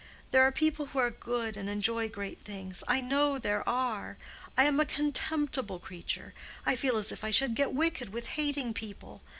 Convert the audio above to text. There are people who are good and enjoy great things—I know there are. I am a contemptible creature. I feel as if I should get wicked with hating people.